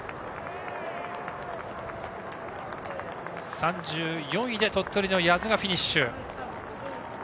３４位で鳥取の八頭がフィニッシュ。